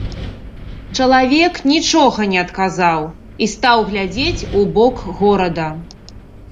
Чалавек нічога не адказаў і стаў глядзець у бок горада.